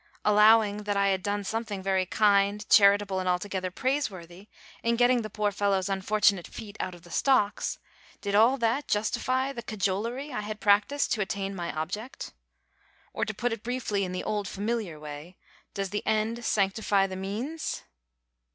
Allowing that I had done something very kind, charitable, and altogether praiseworthy in getting the poor fellow's unfortunate feet out of the stocks, did all that justify the cajolery I had practised to attain my object? Or, to put it briefly in the old familiar way: Does the end sanctify the means?